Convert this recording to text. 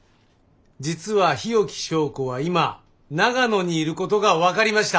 実は日置昭子は今長野にいることが分かりました。